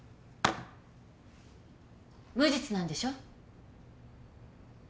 無実なんでしょ？